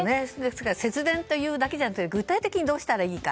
節電というだけじゃなくて具体的にどうしたらいいか。